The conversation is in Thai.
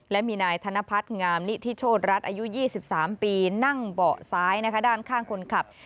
และมีนายธนพัฒน์งามนิธิโชธรัฐอายุ๒๓ปีนั่งเบาะซ้ายด้านข้างคนขับ